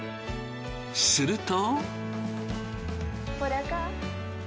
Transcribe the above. すると。